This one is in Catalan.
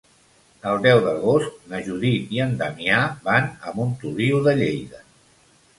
El deu d'agost na Judit i en Damià van a Montoliu de Lleida.